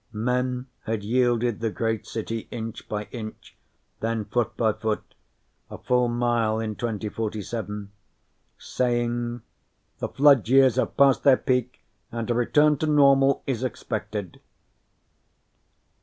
Men had yielded the great city inch by inch, then foot by foot; a full mile in 2047, saying: "The flood years have passed their peak and a return to normal is expected."